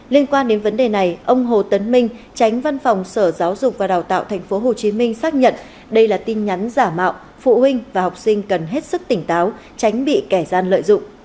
liên quan đến vấn đề này ông hồ tấn minh tránh văn phòng sở giáo dục và đào tạo tp hcm xác nhận đây là tin nhắn giả mạo phụ huynh và học sinh cần hết sức tỉnh táo tránh bị kẻ gian lợi dụng